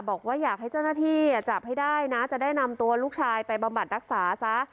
บอกว่าอยากให้เจ้าหน้าที่จับให้ได้นะจะได้นำตัวลูกชายไปบำบัดรักษาซะ